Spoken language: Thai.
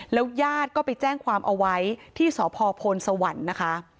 แล้วย่าดก็ไปแจ้งความเอาไว้ที่สพโพลสวรรค์นะคะ